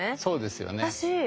そうですよね。